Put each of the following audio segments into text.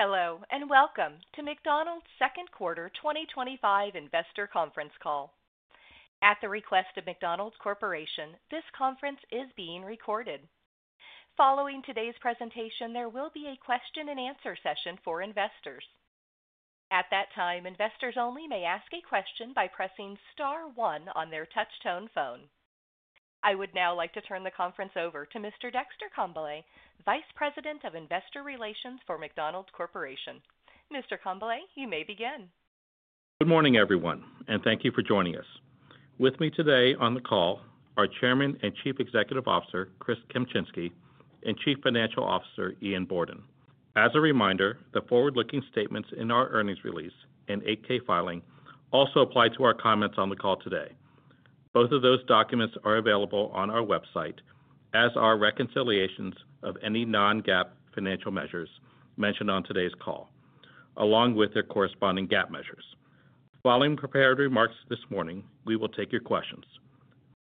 Hello and welcome to McDonald's second quarter 2025 investor conference call. At the request of McDonald's Corporation, this conference is being recorded. Following today's presentation, there will be a question and answer session for investors. At that time, investors only may ask a question by pressing star 1 on their touchtone phone. I would now like to turn the conference over to Mr. Dexter Congbalay, Vice President of Investor Relations for McDonald's Corporation. Mr. Congbalay, you may begin. Good morning everyone and thank you for joining us. With me today on the call are Chairman and Chief Executive Officer Chris Kempczinski and Chief Financial Officer Ian Borden. As a reminder, the forward looking statements. In our earnings release and 8-K filing. Also apply to our comments on the call today. Both of those documents are available on. Our website, as are reconciliations of any. Non-GAAP financial measures mentioned on today's call along with their corresponding GAAP measures. Following prepared remarks this morning, we will take your questions.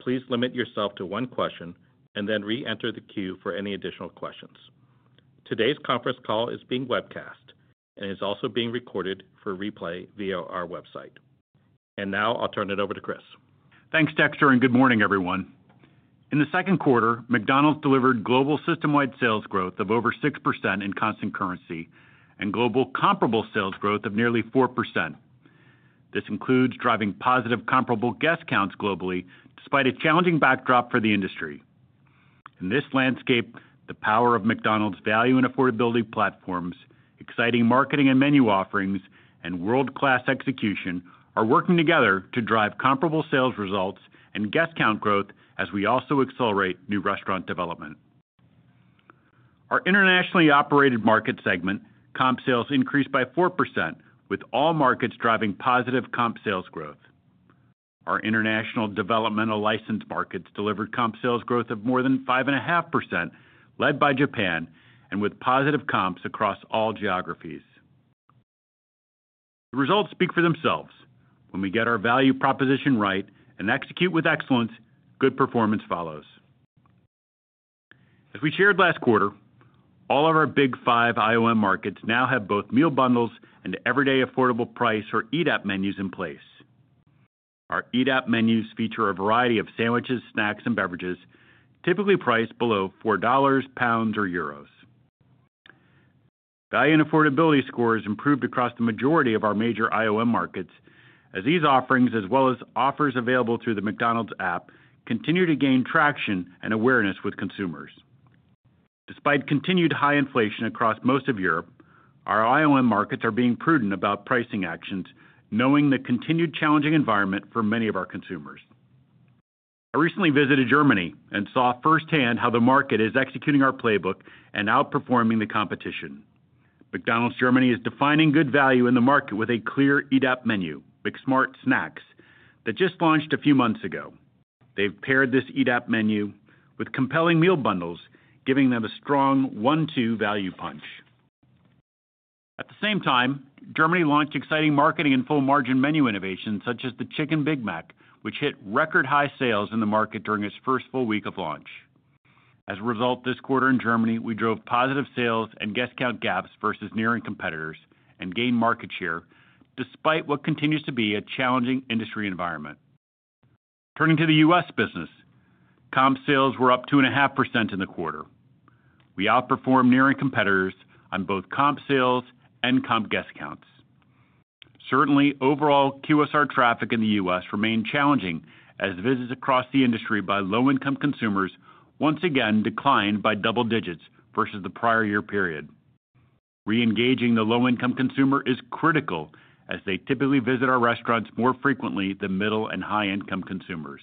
Please limit yourself to one question and then re-enter the queue for any additional questions. Today's conference call is being webcast. Is also being recorded for replay via our website. I'll turn it over to Chris. Thanks Dexter and good morning everyone. In the second quarter, McDonald's delivered global systemwide sales growth of over 6% in constant currency and global comparable sales growth of nearly 4%. This includes driving positive comparable guest counts globally. Despite a challenging backdrop for the industry in this landscape, the power of McDonald's value and affordability platforms, exciting marketing and menu offerings, and world-class execution are working together to drive comparable sales results and guest count growth as we also accelerate new restaurant developments. Our International Operated Market segment comp sales increased by 4% with all markets driving positive comp sales growth. Our International Developmental License markets delivered comp sales growth of more than 5.5%, led by Japan and with positive comps across. All geographies. The results speak for themselves. When we get our value proposition right and execute with excellence, good performance follows. As we shared last quarter, all of our Big Five IOM markets now have both meal bundles and Everyday Affordable Price or EDAP menus in place. Our EDAP menus feature a variety of sandwiches, snacks, and beverages typically priced below $4 or euros. Value and affordability scores improved across the majority of our major IOM markets as these offerings, as well as offers available through the McDonald's app, continue to gain traction and awareness with consumers. Despite continued high inflation across most of Europe, our IOM markets are being prudent about pricing actions, knowing the continued challenging environment for many of our consumers. I recently visited Germany and saw firsthand how the market is executing our playbook and outperforming the competition. McDonald's Germany is defining good value in the market with a clear EDAP menu, McSmart snacks that just launched a few months ago. They've paired this EDAP menu with compelling meal bundles, giving them a strong 1-2 value punch. At the same time, Germany launched exciting marketing and full margin menu innovations such as the Chicken Big Mac, which hit record high sales in the market during its first full week of launch. As a result, this quarter in Germany we drove positive sales and guest count gaps versus nearing competitors and gained market share despite what continues to be a challenging industry environment. Turning to the U.S. business, comp sales were up 2.5% in the quarter. We outperformed nearing competitors on both comp sales and comp guest counts. Certainly, overall QSR traffic in the U.S. remained challenging as visits across the industry by low income consumers once again declined by double digits versus the prior year period. Re-engaging the low income consumer is critical as they typically visit our restaurants more frequently than middle and high income consumers.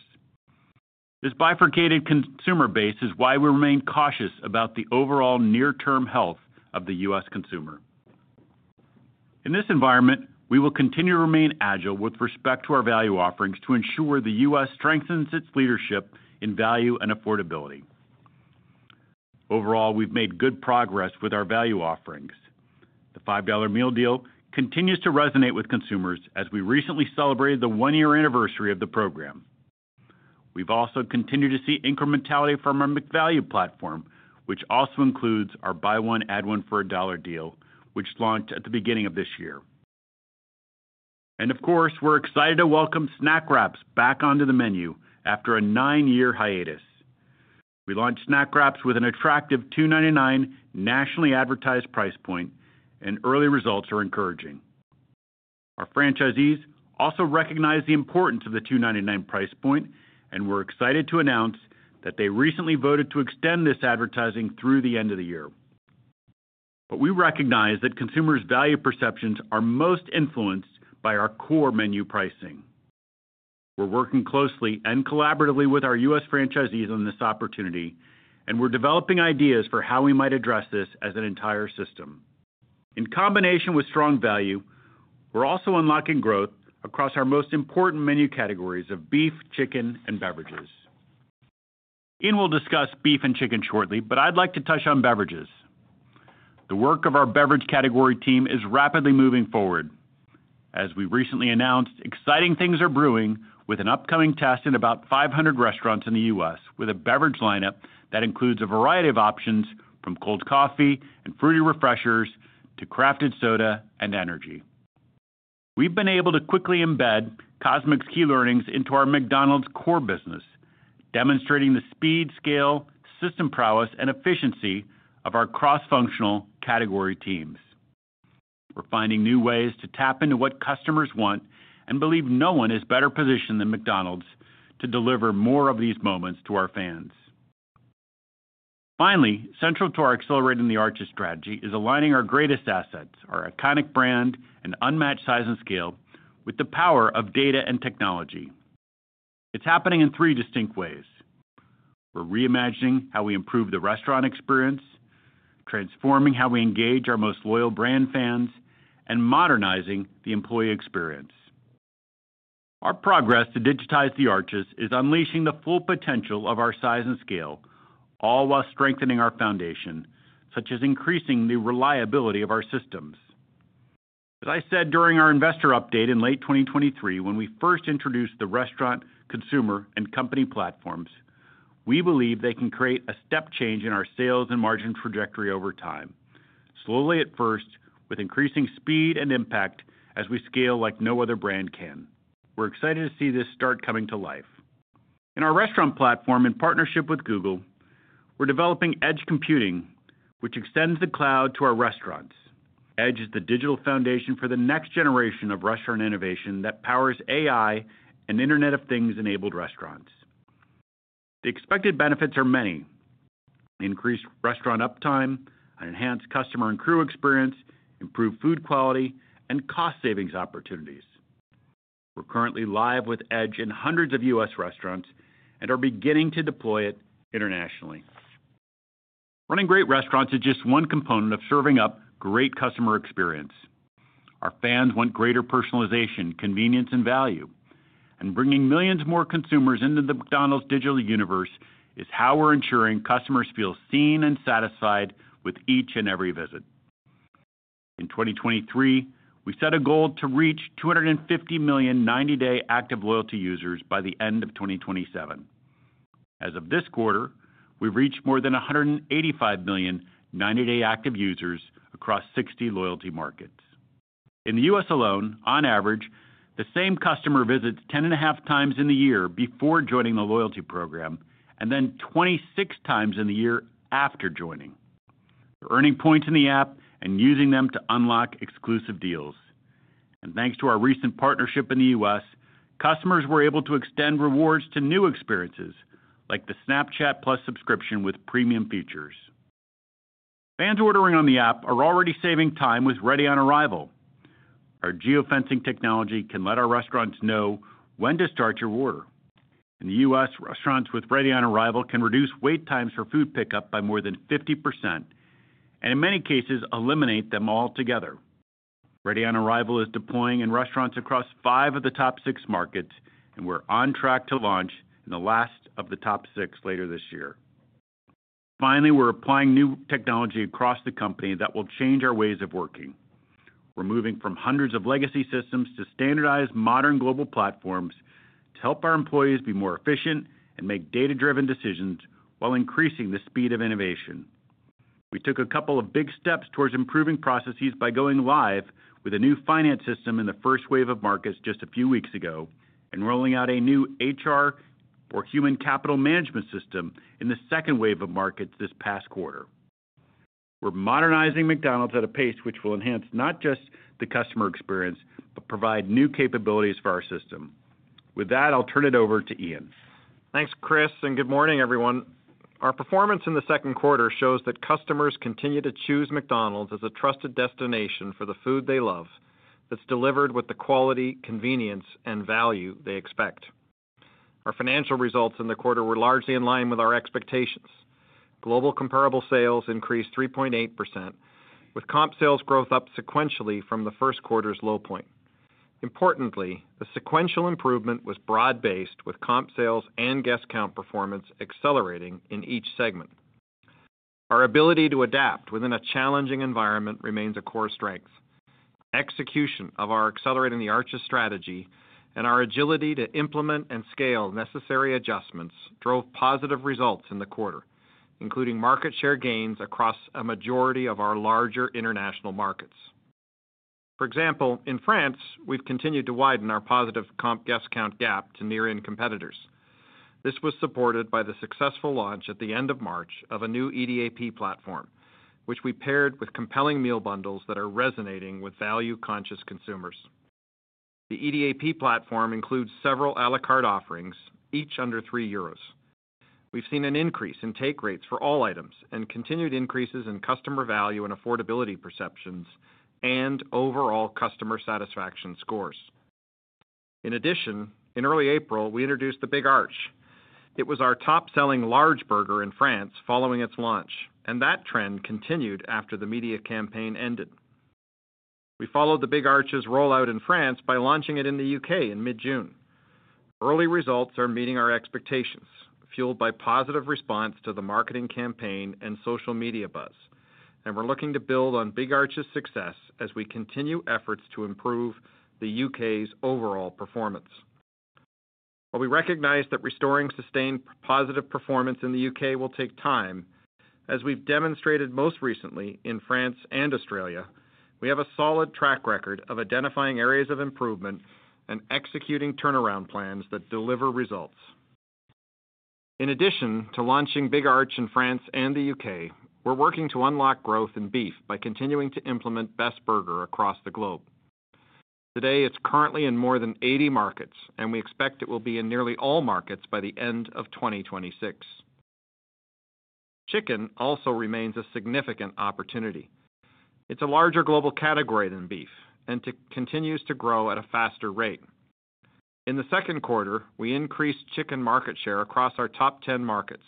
This bifurcated consumer base is why we remain cautious about the overall near term health of the U.S. consumer. In this environment, we will continue to remain agile with respect to our value offerings to ensure the U.S. strengthens its leadership in value and affordability. Overall, we've made good progress with our value offerings. The $5 Meal Deal continues to resonate with consumers as we recently celebrated the one year anniversary of the program. We've also continued to see incrementality from our McValue platform, which also includes our. Buy One, Add One for $1. Deal which launched at the beginning of this year. Of course we're excited to welcome Snack Wraps back onto the menu. After a nine year hiatus, we launched Snack Wraps with an attractive $2.99 nationally advertised price point and early results are encouraging. Our franchisees also recognize the importance of the $2.99 price point and we're excited to announce that they recently voted to extend this advertising through the end of the year. We recognize that consumers' value perceptions are most influenced by our core menu pricing. We're working closely and collaboratively with our U.S. franchisees on this opportunity and we're developing ideas for how we might address this as an entire system. In combination with strong value, we're also unlocking growth across our most important menu categories of beef, chicken, and beverages. Ian will discuss beef and chicken shortly, but I'd like to touch on beverages. The work of our Beverage category team is rapidly moving forward. As we recently announced, exciting things are brewing with an upcoming test in about 500 restaurants in the U.S. with a beverage lineup that includes a variety of options from cold coffee and fruity refreshers to crafted soda and energy. We've been able to quickly embed CosMc's key learnings into our McDonald's core business. Demonstrating the speed, scale, system prowess, and efficiency of our cross-functional category teams, we're finding new ways to tap into what customers want and believe. No one is better positioned than McDonald's to deliver more of these moments to our fans. Finally, central to our Accelerating the Arches strategy is aligning our greatest assets, our iconic brand and unmatched size and scale, with the power of data and technology. It's happening in three distinct ways. We're reimagining how we improve the restaurant experience, transforming how we engage our most loyal brand fans, and modernizing the employee experience. Our progress to digitize the Arches is unleashing the full potential of our size and scale, all while strengthening our foundation, such as increasing the reliability of our systems. As I said during our Investor Update in late 2023 when we first introduced the restaurant, consumer, and company platforms, we believe they can create a step change in our sales and margin trajectory over time, slowly at first, with increasing speed and impact as we scale like no other brand can. We're excited to see this start coming to life in our restaurant platform. In partnership with Google, we're developing Edge computing. Computing which extends the Cloud to our restaurants. Edge is the digital foundation for the next generation of restaurant innovation that powers AI and Internet of Things enabled restaurants. The expected benefits are increased restaurant uptime, an enhanced customer and crew experience, improved food quality, and cost savings opportunities. We're currently live with Edge in hundreds of U.S. restaurants and are beginning to deploy it internationally. Running great restaurants is just one component of serving up great customer experience. Our fans want greater personalization, convenience, and value. Bringing millions more consumers into the McDonald's digital universe is how we're ensuring customers feel seen and satisfied with each and every visit. In 2023, we set a goal to reach 250 million 90-day active loyalty users by the end of 2027. As of this quarter, we've reached more than 185 million 90-day active users across 60 loyalty markets in the U.S. alone. On average, the same customer visits 10.5x in the year before joining the loyalty program and then 26x in the year after joining, earning points in the app and using them to unlock exclusive deals. Thanks to our recent partnership in the U.S., customers were able to extend rewards to new experiences like the Snapchat Plus subscription with premium features. Fans ordering on the app are already saving time. With Ready on Arrival, our geofencing technology can let our restaurants know when to start your order. In the U.S., restaurants with Ready on Arrival can reduce wait times for food pickup by more than 50% and in many cases eliminate them altogether. Ready on Arrival is deploying in restaurants across five of the top six markets and we're on track to launch in. The last of the top six later this year. Finally, we're applying new technology across the company that will change our ways of working. We're moving from hundreds of legacy systems to standardized modern global platforms to help our employees be more efficient and make data-driven decisions while increasing the speed of innovation. We took a couple of big steps towards improving processes by going live with a new finance system in the first wave of markets just a few weeks ago, and rolling out a new HR or human capital management system in the second wave of markets this past quarter. We're modernizing McDonald's at a pace which will enhance not just the customer experience, but provide new capabilities for our system. With that, I'll turn it over to Ian. Thanks Chris and good morning everyone. Our performance in the second quarter shows that customers continue to choose McDonald's as a trusted destination for the food they love that's delivered with the quality, convenience, and value they expect. Our financial results in the quarter were largely in line with our expectations. Global comparable sales increased 3.8% with comp sales growth up sequentially from the first quarter's low point. Importantly, the sequential improvement was broad-based, with comp sales and guest count performance accelerating in each segment. Our ability to adapt within a challenging environment remains a core strength. Execution of our Accelerating the Arches strategy and our agility to implement and scale necessary adjustments drove positive results in the quarter, including market share gains across a majority of our larger international markets. For example, in France we've continued to widen our positive comp guest count gap to near end competitors. This was supported by the successful launch at the end of March of a new EDAP platform, which we paired with compelling meal bundles that are resonating with value-conscious consumers. The EDAP platform includes several a la carte offerings, each under 3 euros. We've seen an increase in take rates for all items and continued increases in customer value and affordability perceptions and overall customer satisfaction scores. In addition, in early April we introduced the Big Arch. It was our top-selling large burger in France following its launch, and that trend continued after the media campaign ended. We followed the Big Arch's rollout in France by launching it in the U.K. in mid-June. Early results are meeting our expectations, fueled by positive response to the marketing campaign and social media buzz, and we're looking to build on Big Arch's success as we continue efforts to improve the U.K.'s overall performance. While we recognize that restoring sustained positive performance in the U.K. will take time, as we've demonstrated most recently in France and Australia, we have a solid track record of identifying areas of improvement and executing turnaround plans that deliver results. In addition to launching Big Arch in France and the U.K., we're working to unlock growth in beef by continuing to implement Best Burger across the globe. Today. It's currently in more than 80 markets and we expect it will be in nearly all markets by the end of 2026. Chicken also remains a significant opportunity. It's a larger global category than beef and continues to grow at a faster rate. In the second quarter, we increased chicken market share across our top 10 markets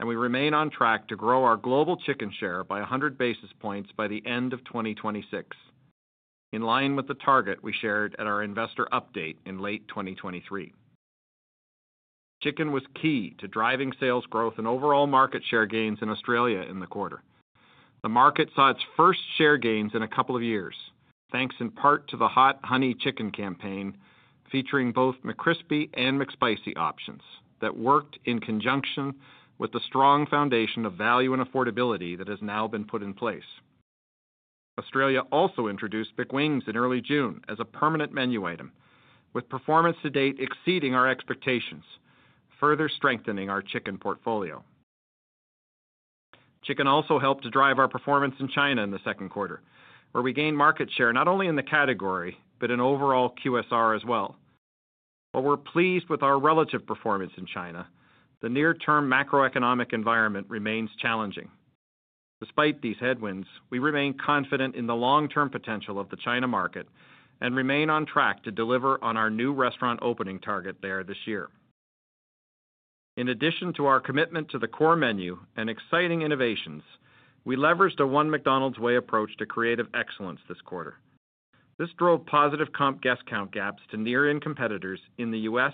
and we remain on track to grow our global chicken share by 100 basis points by the end of 2026, in line with the target we shared at our investor update in late 2023. Chicken was key to driving sales growth and overall market share gains in Australia in the quarter. The market saw its first share gains in a couple of years thanks in part to the Hot Honey Chicken campaign featuring both McCrispy and McSpicy options that worked in conjunction with the strong foundation of value and affordability that has now been put in place. Australia also introduced McWings in early June as a permanent menu item, with performance to date exceeding our expectations, further strengthening our chicken portfolio. Chicken also helped to drive our performance in China in the second quarter where we gained market share not only in the category but in overall QSR as well. While we're pleased with our relative performance in China, the near-term macroeconomic environment remains challenging. Despite these headwinds, we remain confident in the long-term potential of the China market and remain on track to deliver on our new restaurant opening target there this year. In addition to our commitment to the core menu and exciting innovations, we leveraged a one McDonald's way approach to creative excellence this quarter. This drove positive comp guest count gaps to near end competitors in the U.S.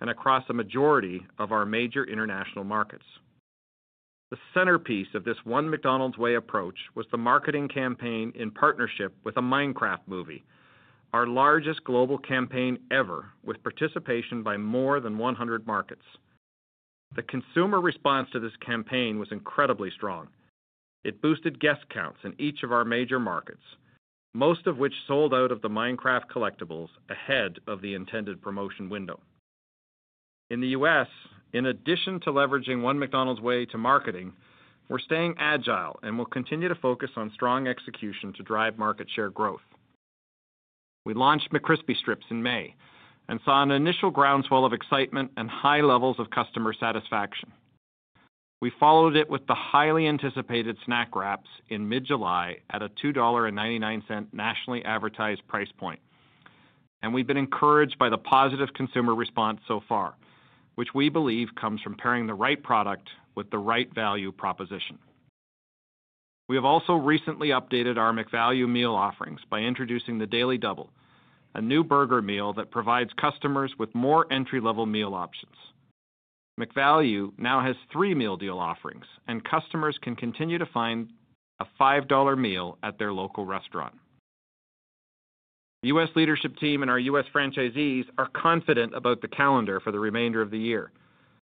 and across a majority of our major international markets. The centerpiece of this one McDonald's way approach was the marketing campaign in partnership with a Minecraft movie, our largest global campaign ever with participation by more than 100 markets. The consumer response to this campaign was incredibly strong. It boosted guest counts in each of our major markets, most of which sold out of the Minecraft collectibles ahead of the intended promotion window in the U.S. In addition to leveraging one McDonald's way to marketing, we're staying agile and will continue to focus on strong execution to drive market share growth. We launched McCrispy Chicken Strips in May and saw an initial groundswell of excitement and high levels of customer satisfaction. We followed it with the highly anticipated Snack Wraps in mid-July at a $2.99 nationally advertised price point. We've been encouraged by the positive consumer response so far, which we believe comes from pairing the right product with the right value proposition. We have also recently updated our McValue meal offerings by introducing the Daily Double, a new burger meal that provides customers with more entry-level meal options. McValue now has three meal deal offerings, and customers can continue to find a $5 meal at their local restaurant. The U.S. leadership team and our U.S. franchisees are confident about the calendar for the remainder of the year,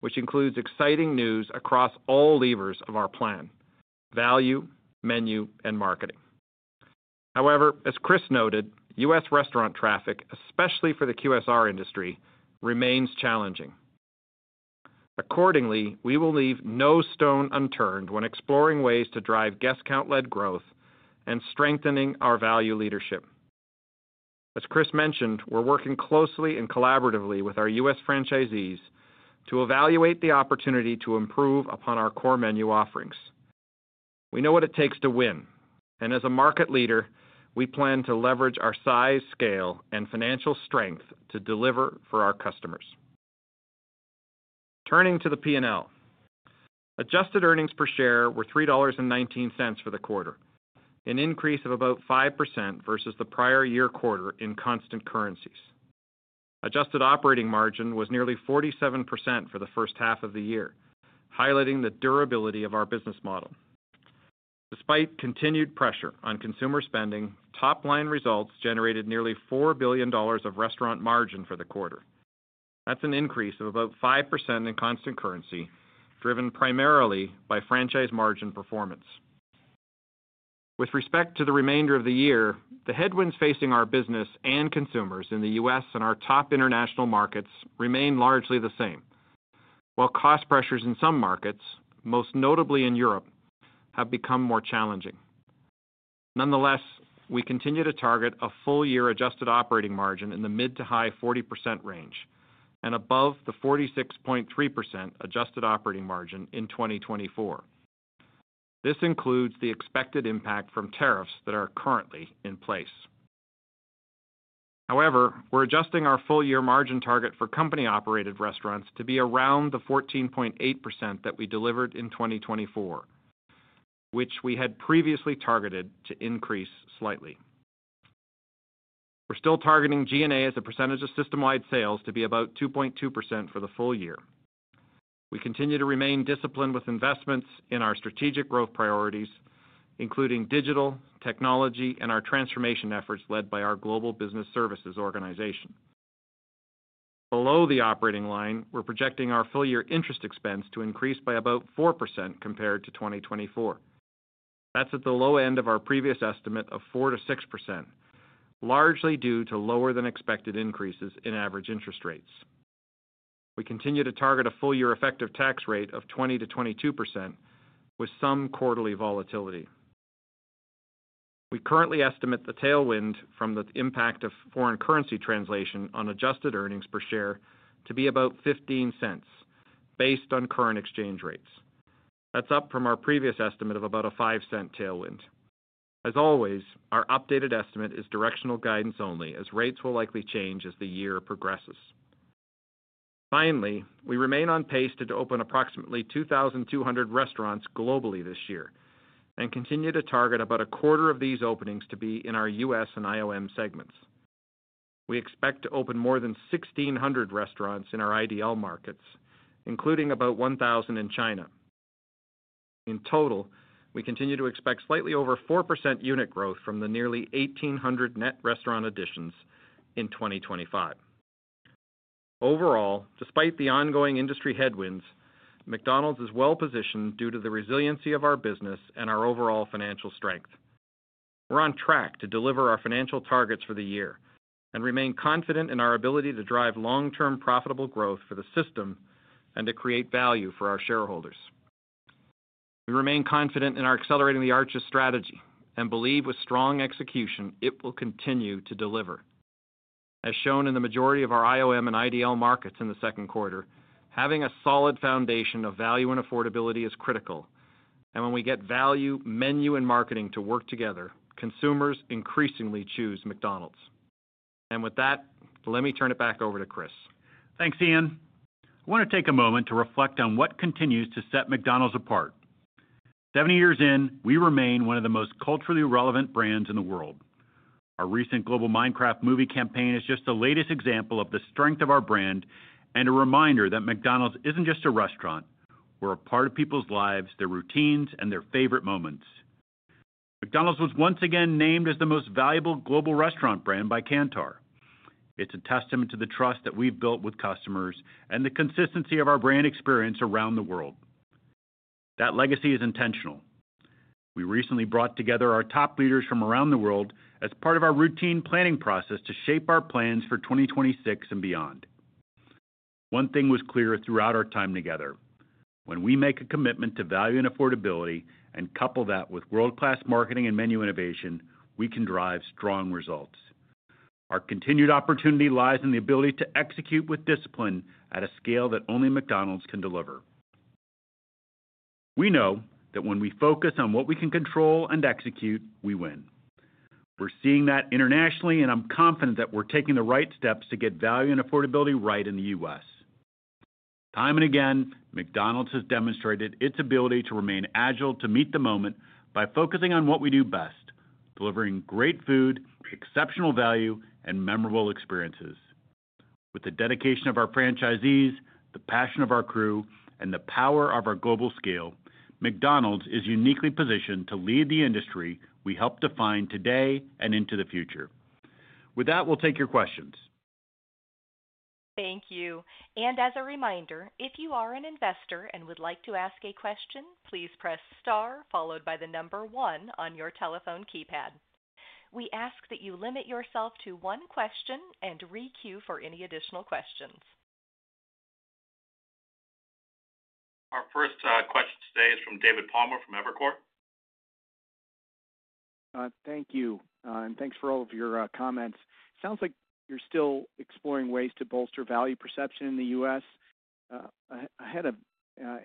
which includes exciting news across all levers of our plan: value, menu, and marketing. However, as Chris noted, U.S. restaurant traffic, especially for the QSR industry, remains challenging. Accordingly, we will leave no stone unturned when exploring ways to drive guest count-led growth and strengthen our value leadership. As Chris mentioned, we're working closely and collaboratively with our U.S. franchisees to evaluate the opportunity to improve upon our core menu offerings. We know what it takes to win, and as a market leader, we plan to leverage our size, scale, and financial strength to deliver for our customers. Turning to the P&L, adjusted EPS was $3.19 for the quarter, an increase of about 5% versus the prior year quarter in constant currency. Adjusted operating margin was nearly 47% for the first half of the year, highlighting the durability of our business model. Despite continued pressure on consumer spending, top-line results generated nearly $4 billion of restaurant margin for the quarter. That's an increase of about 5% in constant currency, driven primarily by franchise margin performance. With respect to the remainder of the year, the headwinds facing our business and consumers in the U.S. and our top international markets remain largely the same, while cost pressures in some markets, most notably in Europe, have become more challenging. Nonetheless, we continue to target a full-year adjusted operating margin in the mid to high 40% range and above the 46.3% adjusted operating margin in 2024. This includes the expected impact from tariffs that are currently in place. However, we're adjusting our full-year margin target for company-operated restaurants to be around the 14.8% that we delivered in 2024, which we had previously targeted to increase slightly. We're still targeting G&A as a percentage of systemwide sales to be about 2.2% for the full year. We continue to remain disciplined with investments in our strategic growth priorities including digital technology and our transformation efforts led by our Global Business Services organization. Below the operating line, we're projecting our full year interest expense to increase by about 4% compared to 2024. That's at the low end of our previous estimate of 4%-6%, largely due to lower than expected increases in average interest rates. We continue to target a full year effective tax rate of 20%-22% with some quarterly volatility. We currently estimate the tailwind from the impact of foreign currency translation on adjusted EPS to be about $0.15 based on current exchange rates. That's up from our previous estimate of about a $0.05 tailwind. As always, our updated estimate is directional guidance only as rates will likely change as the year progresses. Finally, we remain on pace to open approximately 2,200 restaurants globally this year and continue to target about a quarter of these openings to be in our U.S. and IOM segments. We expect to open more than 1,600 restaurants in our IDL markets, including about 1,000 in China. In total, we continue to expect slightly over 4% unit growth from the nearly 1,800 net restaurant additions in 2025. Overall, despite the ongoing industry headwinds, McDonald's Corporation is well positioned due to the resiliency of our business and our overall financial strength. We're on track to deliver our financial targets for the year and remain confident in our ability to drive long term profitable growth for the system and to create value for our shareholders. We remain confident in our Accelerating the Arches strategy and believe with strong execution it will continue to deliver. As shown in the majority of our IOM and IDL markets in the second quarter, having a solid foundation of value and affordability is critical and when we get value menu and marketing to work together, consumers increasingly choose McDonald's and with that, let me turn it back over to Chris. Thanks, Ian. I want to take a moment to reflect on what continues to set McDonald's apart 70 years in. We remain one of the most culturally relevant brands in the world. Our recent global Minecraft movie partnership is just the latest example of the strength of our brand and a reminder that McDonald's isn't just a restaurant. We're a part of people's lives, their. Routines and their favorite moments. McDonald's was once again named as the most valuable global restaurant brand by Kantar. It's a testament to the trust that we've built with customers and the consistency of our brand experience around the world. That legacy is intentional. We recently brought together our top leaders from around the world as part of our routine planning process to shape our plans for 2026 and beyond. One thing was clear throughout our time together: when we make a commitment to value and affordability and couple that with world-class marketing and menu innovation, we can drive strong results. Our continued opportunity lies in the ability to execute with discipline at a scale that only McDonald's can deliver. We know that when we focus on what we can control and execute, we win. We're seeing that internationally and I'm confident that we're taking the right steps to get value and affordability right in the U.S. Time and again, McDonald's has demonstrated its ability to remain agile to meet the moment by focusing on what we do best, delivering great food, exceptional value, and memorable experiences. With the dedication of our franchisees, the passion of our crew, and the power of our global scale, McDonald's is uniquely positioned to lead the industry we helped define today and into the future. With that, we'll take your questions. Thank you. As a reminder, if you are an investor and would like to ask a question, please press star followed by the number one on your telephone keypad. We ask that you limit yourself to one question and requeue for any additional questions. Our first question today is from David Palmer from Evercore. Thank you and thanks for all of your comments. Sounds like you're still exploring ways to bolster value perception in the U.S. ahead of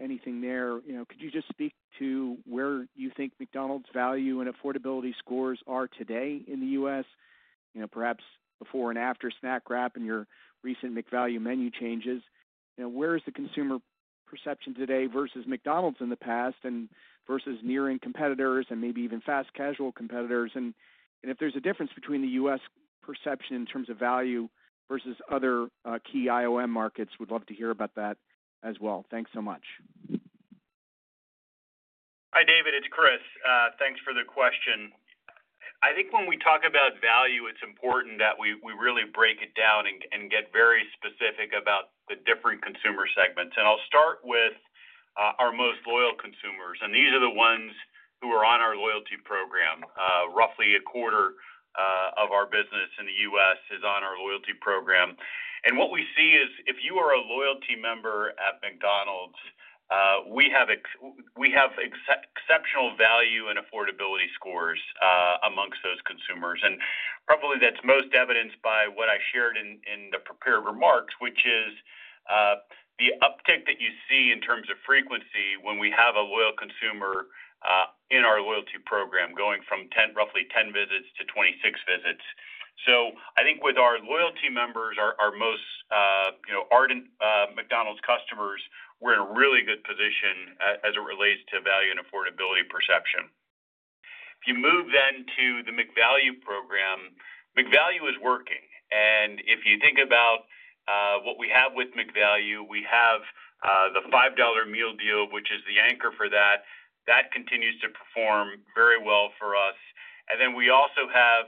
anything there. Could you just speak to where you think McDonald's value and affordability scores are today in the U.S., perhaps before and after Snack Wraps and your recent McValue platform changes? Where is the consumer perception today versus McDonald's in the past, versus near-end competitors, and maybe even fast casual competitors? If there's a difference between. The U.S. perception in terms of value versus other key IOM markets, we'd love to hear about that as well. Thanks so much. Hi David, it's Chris. Thanks for the question. I think when we talk about value, it's important that we really break it down and get very specific about the different consumer segments. I'll start with our most loyal consumers and these are the ones who are on our loyalty program. Roughly a quarter of our business in the U.S. is on our loyalty program. What we see is if you are a loyalty member at McDonald's, we have exceptional value and affordability scores amongst those consumers. That's most evidenced by what I shared in the prepared remarks, which is the uptick that you see in terms of frequency when we have a loyal consumer in our loyalty program going from roughly 10 visits to 26 visits. I think with our loyalty members, our most ardent McDonald's customers, we're in a really good position as it relates to value and affordability perception. If you move then to the McValue platform, McValue is working. If you think about what we have with McValue, we have the $5 Meal Deal, which is the anchor for that, that continues to perform very well for us. We also have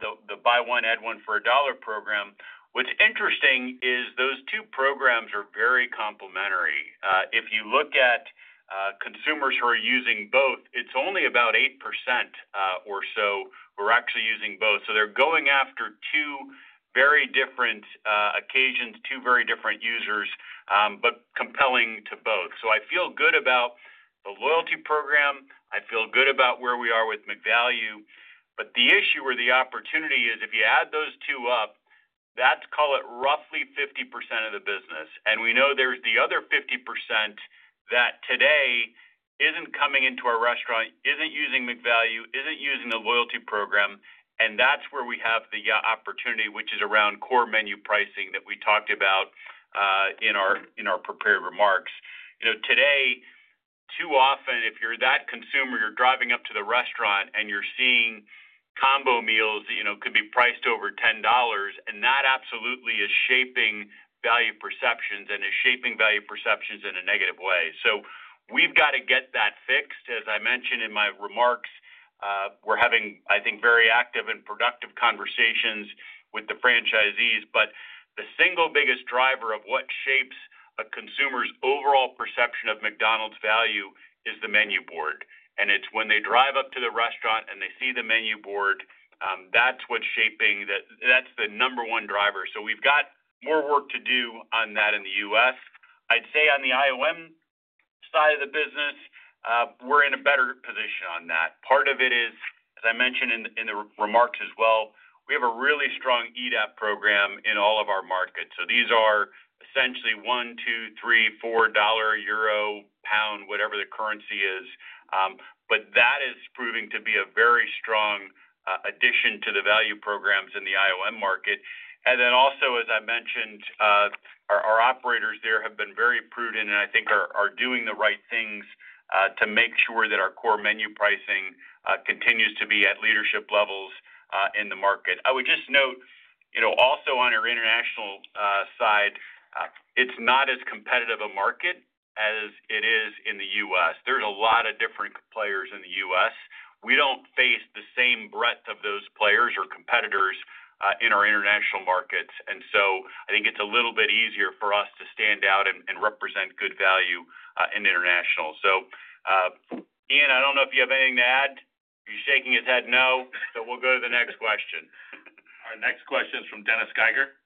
the Buy One, Add One for $1 program. What's interesting is those two programs are very complementary. If you look at consumers who are using both, it's only about 8% or so who are actually using both. They're going after two very different occasions, two very different users, but compelling to both. I feel good about the loyalty program. I feel good about where we are with McValue. The issue or the opportunity is if you add those two up, that's, call it, roughly 50% of the business. We know there's the other 50% that today isn't coming into our restaurant, isn't using McValue, isn't using the loyalty program. That's where we have the opportunity, which is around core menu pricing that we talked about in our. In our prepared remarks. You know, today, too often, if you're that consumer, you're driving up to the restaurant and you're seeing combo meals, you know, could be priced over $10. That absolutely is shaping value perceptions and is shaping value perceptions in a negative way. We've got to get that set. As I mentioned in my remarks, we're having, I think, very active and productive conversations with the franchisees. The single biggest driver of what shapes a consumer's overall perception of McDonald's value is the menu board. It's when they drive up to the restaurant and they see the menu board, that's what's shaping that. That's the number one driver. We've got more work to do on that in the U.S. I'd say on the IOM side of the business, we're in a better position on that. Part of it is, as I mentioned in the remarks as well, we have a really strong EDAP program in all of our markets. These are essentially 1, 2, 3, 4, dollar euro, pound, whatever the currency is. That is proving to be a very strong addition to the value programs in the IOM market. Also, as I mentioned, our operators there have been very prudent and I think are doing the right things to make sure that our core menu pricing continues to be at leadership levels in the market. I would just note, also on our international side, it's not as competitive a market as it is in the U.S. There's a lot of different players in the U.S. We don't face the same breadth of those players or competitors in our international markets. I think it's a little bit easier for us to stand out and represent good value in international. Ian, I don't know if you have anything to add. He's shaking his head no. We'll go to the next question. Our next question is from Dennis Geiger.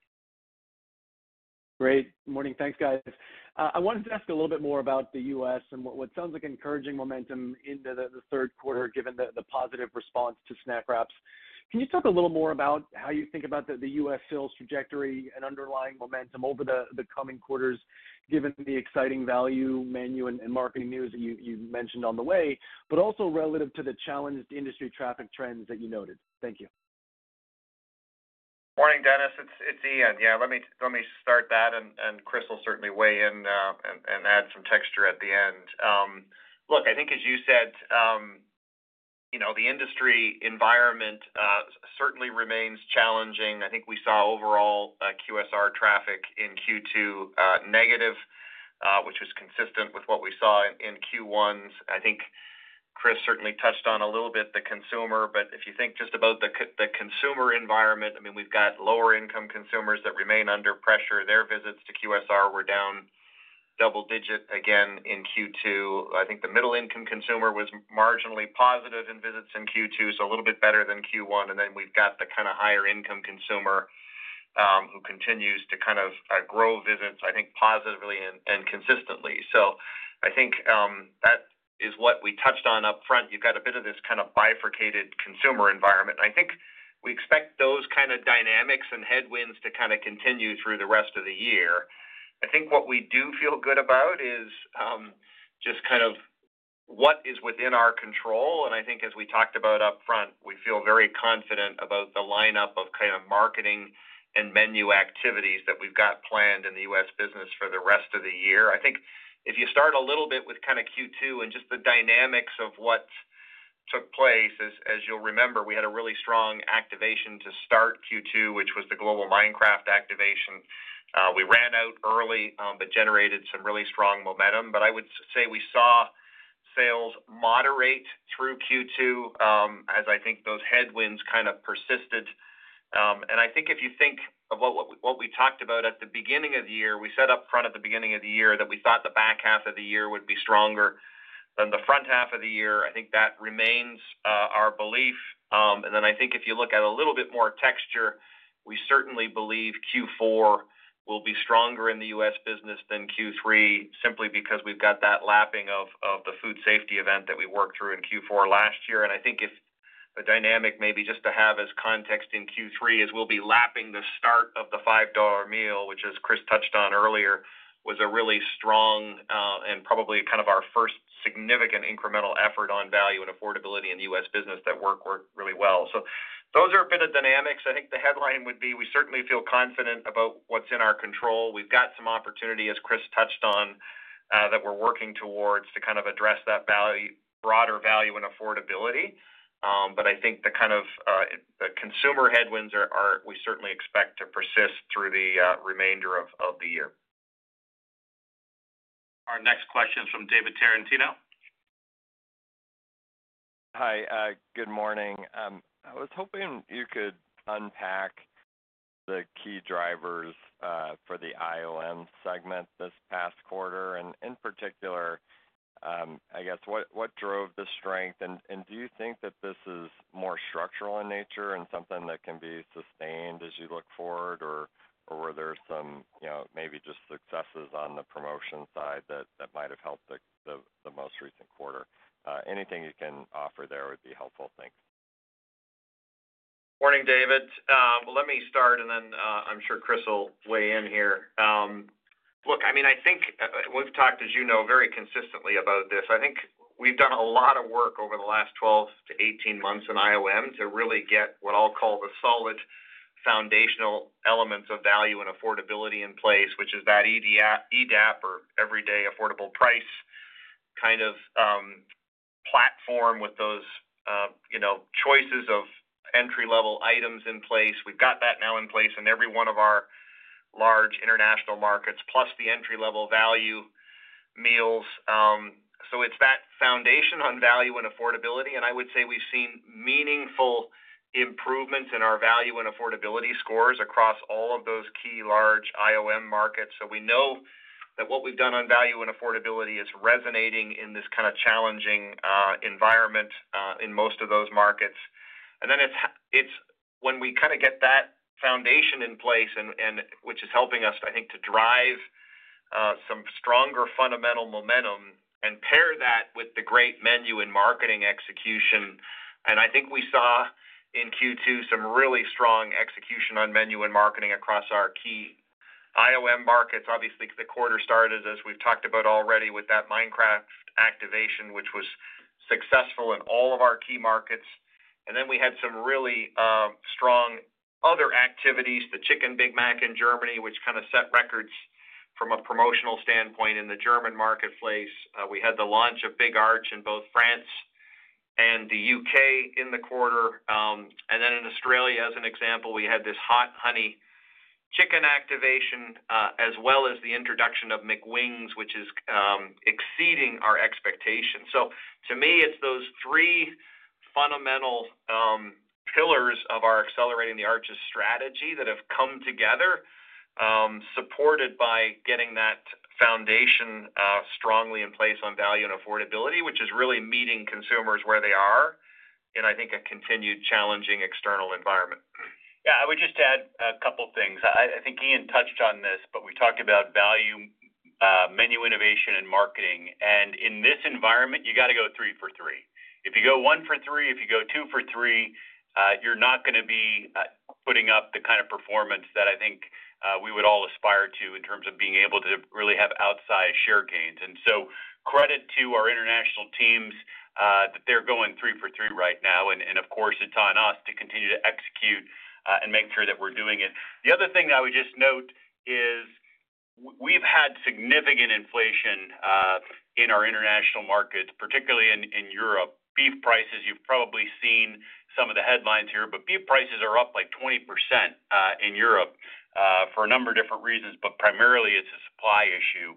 Great, morning. Thanks, guys. I wanted to ask a little bit. More about the U.S. and what sounds like encouraging momentum into the third quarter given the positive response to Snack Wraps. Can you talk a little more about. How you think about the U.S. sales. Trajectory and underlying momentum over the coming. Quarters, given the exciting value menu. Marketing news that you mentioned on the. Way, but also relative to the challenged industry traffic trends that you noted. Thank you. Morning Dennis, it's Ian. Let me start that. Chris will certainly weigh in and add some texture at the end. Look, I think as you said, the industry environment certainly remains challenging. I think we saw overall QSR traffic in Q2 negative, which was consistent with what we saw in Q1. Chris certainly touched on a little bit the consumer. If you think just about the consumer environment, we've got lower income consumers that remain under pressure. Their visits to QSR were down double digit again in Q2. The middle income consumer was marginally positive in visits in Q2, so a little bit better than Q1. We've got the kind of higher income consumer who continues to kind of grow visits, I think positively and consistently so. That is what we touched on up front. You've got a bit of this kind of bifurcated consumer environment. We expect those kind of dynamics and headwinds to continue through the rest of the year. What we do feel good about is just what is within our control. As we talked about up front, we feel very confident about the lineup of marketing and menu activities that we've got planned in the U.S. business for the rest of the year. If you start a little bit with Q2 and just the dynamics of what took place, as you'll remember, we had a really strong activation to start Q2, which was the global Minecraft activation. We ran out early but generated some really strong momentum. I would say we saw sales moderate through Q2 as those headwinds persisted. If you think about what we talked about at the beginning of the year, we said up front at the beginning of the year that we thought the back half of the year would be stronger than the front half of the year. That remains our belief. If you look at a little bit more texture, we certainly believe Q4 will be stronger in the U.S. business than Q3 simply because we've got that lapping of the food safety event that we worked through in Q4 last year. A dynamic, maybe just to have as context in Q3, is we'll be lapping the start of the $5 Meal, which as Chris touched on earlier, was a really strong and probably our first significant incremental effort on value and affordability in the U.S. business that worked really well. Those are a bit of dynamics. I think the headline would be, we certainly feel confident about what's in our control. We've got some opportunity, as Chris touched on, that we're working towards to kind of address that broader value and affordability. I think the kind of consumer headwinds we certainly expect to persist through the remainder of the year. Our next question is from David Tarantino. Hi, good morning. I was hoping you could unpack the key drivers for the IOM segment this past quarter, and in particular, what drove the strength. Do you think that this is more structural in nature and something that can be sustained as you look forward, or were there maybe just successes on the promotion side that might have helped the most recent quarter? Anything you can offer there would be helpful. Thanks. Morning, David. Let me start and then I'm sure Chris will weigh in here. Look, I mean, I think we've talked, as you know, very consistently about this. I think we've done a lot of work over the last 12 to 18 months in IOM to really get what I'll call the solid foundational elements of value and affordability in place, which is that EDAP, or Everyday Affordable Price kind. Of platform with those choices. Of entry level items in place. We've got that now in place in every one of our large international markets, plus the entry level value meals. It's that foundation on value and affordability. I would say we've seen meaningful improvements in our value and affordability scores across all of those key large IOM markets. We know that what we've done on value and affordability is resonating in this kind of challenging environment in most of those markets. When we get that foundation in place, which is helping us, I think, to drive some stronger fundamental momentum and pair that with the great menu and marketing execution. I think we saw in Q2 some really strong execution on menu and marketing across our key IOM markets. Obviously, the quarter started, as we've talked about already, with that Minecraft activation, which was successful in all of our key markets. We had some really strong other activities, the Chicken Big Mac in Germany, which set records from a promotional standpoint in the German marketplace. We had the launch of Big Arch in both France and the U.K. in the quarter. In Australia, as an example, we had this hot honey chicken activation, as well as the introduction of McWings, which is exceeding our expectations. To me, it's those three fundamental pillars of our Accelerating the Arches strategy that have come together, supported by getting that foundation strongly in place on value and affordability, which is really meeting consumers where they are. I think a continued challenging external environment. Yeah, I would just add a couple things. I think Ian touched on this, but we talked about value, menu innovation, and marketing, and in this environment you got to go 3 for 3. If you go 1 for 3, if you go 2 for 3, you're not going to be putting up the kind of performance that I think we would all aspire to in terms of being able to really have outsized share gains. Credit to our international teams that they're going 3 for 3 right now. Of course, it's on us to continue to execute and make sure that we're doing it. The other thing I would just note is we've had significant inflation in our international markets, particularly in Europe. Beef prices, you've probably seen some of the headlines here, but beef prices are up like 20% in Europe for a number of different reasons, but primarily it's a supply issue.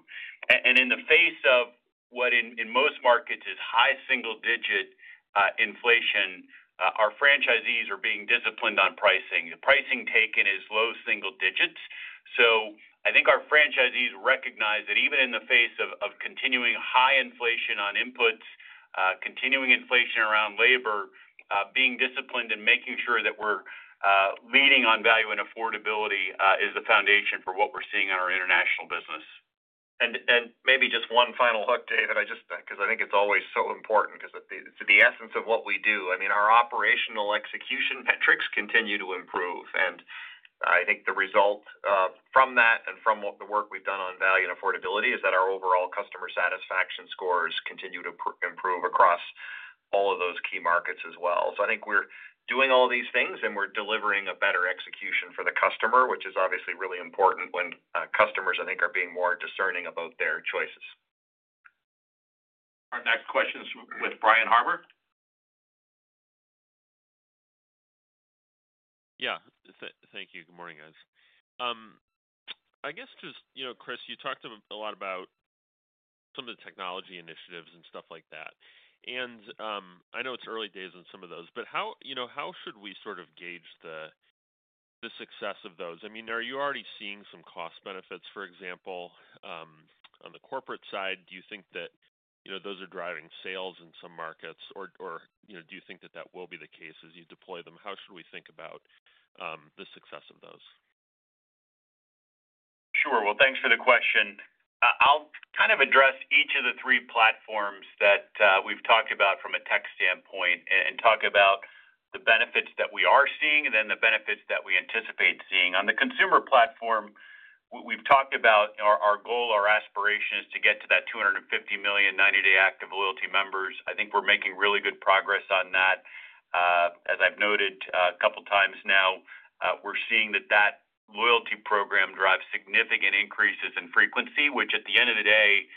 In the face of what in most markets is high single digit inflation, our franchisees are being disciplined on pricing. The pricing taken is low single digits, and I think our franchisees recognize that even in the face of continuing high inflation on inputs, continuing inflation around labor, being disciplined and making sure that we're leading on value and affordability is the foundation for what we're seeing in our international business. Maybe just one final hook, David, because I think it's always so important because it's the essence of what we do. I mean, our operational execution metrics continue to improve. I think the result from that and from the work we've done on value and affordability is that our overall customer satisfaction scores continue to improve across all of those key markets as well. I think we're doing all these things and we're delivering a better execution for the customer, which is obviously really important when customers, I think, are being more discerning about their choices. Our next question is with Brian Harbor. Thank you. Good morning, guys. Chris, you talked a lot about some of the. Technology initiatives and stuff like that, and I know it's early days on some of those, but how, you know, how should we sort of gauge the success of those? I mean, are you already seeing some cost benefits, for example, on the corporate side? Do you think that those are driving? Sales in some markets, or do you think that that will be the case as you deploy them? How should we think about the success of those? Sure. Thanks for the question. I'll kind of address each of the three platforms that we've talked about from a tech standpoint and talk about the benefits that we are seeing and then the benefits that we anticipate seeing on the consumer platform. We've talked about our goal, our aspiration is to get to that 250 million 90-day active loyalty members. I think we're making really good progress on that. As I've noted a couple times now, we're seeing that that loyalty program drives significant increases in frequency, which at the end of the day,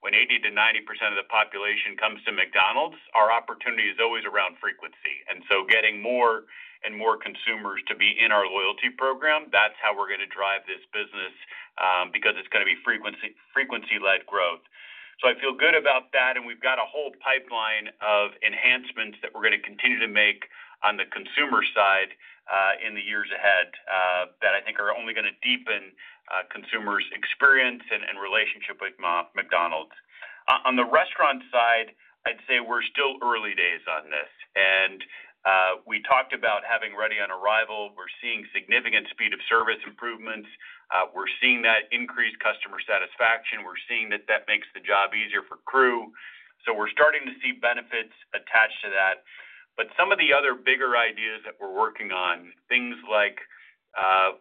when 80%-90% of the population comes to McDonald's, our opportunity is always around frequency. Getting more and more consumers to be in our loyalty program, that's how we're going to drive this business because it's going to be frequency-led growth. I feel good about that. We've got a whole pipeline of enhancements that we're going to continue to make on the consumer side in the years ahead that I think are only going to deepen consumers' experience and relationship with McDonald's. On the restaurant side, I'd say we're still early days on this and we talked about having Ready on Arrival. We're seeing significant speed of service improvements, we're seeing that increased customer satisfaction, we're seeing that that makes the job easier for crew. We're starting to see benefits attached to that. Some of the other bigger ideas that we're working on, things like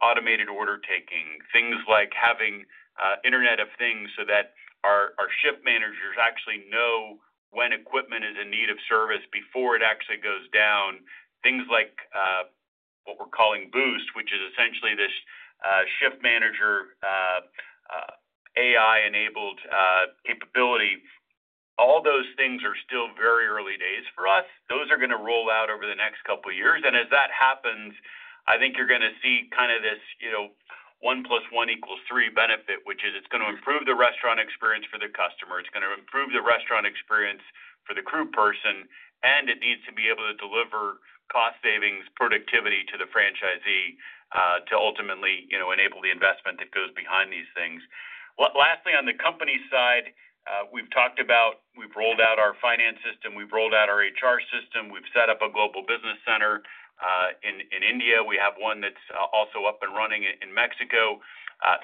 automated order taking, things like having Internet of Things so that our shift managers actually know when equipment is in need of service before it actually goes down, things like what we're calling Boost, which is essentially this shift manager AI-enabled capability, all those things are still very early days for us. Those are going to roll out over the next couple years and as that happens, I think you're going to see kind of this one plus one equals three benefit, which is it's going to improve the restaurant experience for the customer, it's going to improve the restaurant experience for the crew person, and it needs to be able to deliver cost savings productivity to the franchisee to ultimately enable the investment that goes behind these things. Lastly, on the company side, we've talked about we've rolled out our finance system, we've rolled out our HR system, we've set up a global business center in India, we have one that's also up and running in Mexico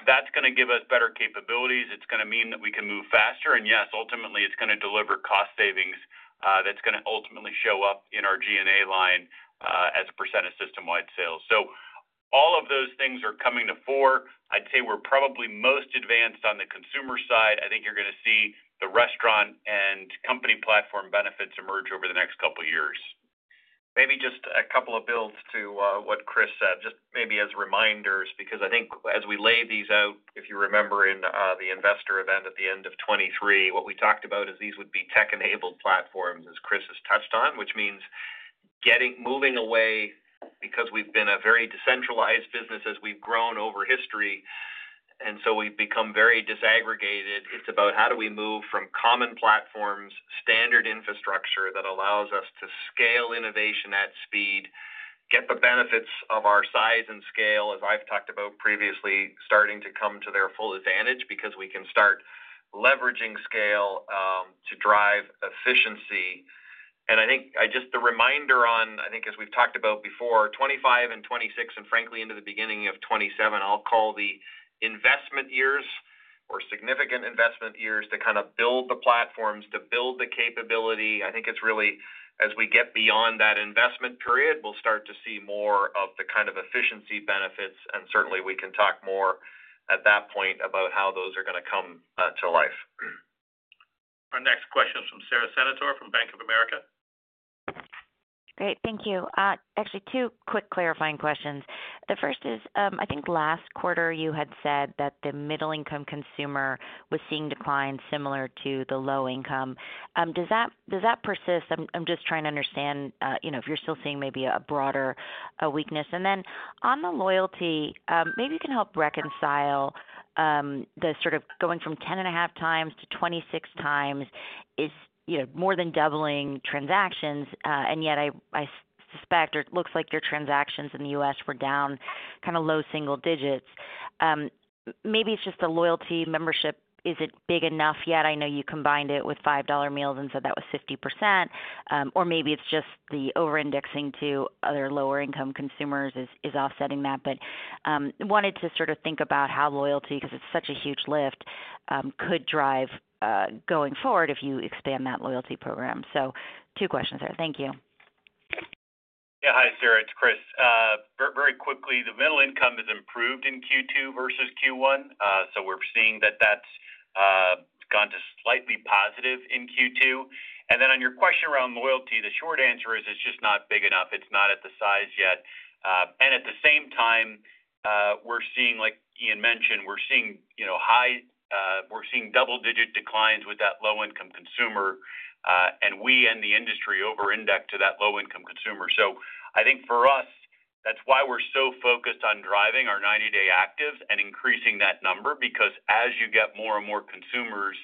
that's going to give us better capabilities. It's going to mean that we can move faster, and yes, ultimately it's going to deliver cost savings that's going to ultimately show up in our G&A line as a percentage of systemwide sales. All of those things are coming to the fore. I'd say we're probably most advanced on the consumer side. I think you're going to see the restaurant and company platform benefits emerge over the next couple years. Maybe just a couple of builds to what Chris said, just maybe as reminders because I think as we lay these out, if you remember in the investor event at the end of 2023, what we talked about is these would be tech-enabled platforms as Chris has touched on, which means moving away because we've been a very decentralized business as we've grown over history, and so we've become very disaggregated. It's about how do we move from common platforms, standard infrastructure that allows us to scale innovation at speed, get the benefits of our size and scale as I've talked about previously, starting to come to their full advantage because we can start leveraging scale to drive efficiency. I think just the reminder on, I think as we've talked about before, 2025 and 2026 and frankly into the beginning of 2027 I'll call the investment years or significant investment years to kind of build the platforms to build the capability. I think it's really as we get beyond that investment period we'll start to see more of the kind of efficiency benefits and certainly we can talk more at that point about how those are going to come to life. Our next question is from Sara Senatore from Bank of America. Great, thank you. Actually, two quick clarifying questions. The first is I think last quarter you had said that the middle income consumer was seeing declines similar to the low income. Does that persist? I'm just trying to understand if you're still seeing maybe a broader weakness, and then on the loyalty, maybe you can help reconcile the going from 10.5x-26x is more than doubling transactions, and yet I suspect it looks like your transactions in the U.S. were down low single digits. Maybe it's just the loyalty membership, is it big enough yet? I know you combined it with $5 Meal and said that was 50%. Or maybe it's just the over indexing to other lower income consumers is offsetting that. Wanted to think about how loyalty, because it's such a huge lift, could drive going forward if you expand that loyalty program. Two questions there. Thank you. Yeah, hi Sara, it's Chris. Very quickly, the middle income has improved in Q2 versus Q1. We're seeing that that's gone to slightly positive in Q2. On your question around loyalty, the short answer is it's just not big enough. It's not at the size yet, and at the same time, we're seeing, like Ian mentioned, high, double-digit declines with that low income consumer, and we and the industry over-index to that low income consumer. I think for us, that's why we're so focused on driving our 90-day actives and increasing that number because as you get more and more consumers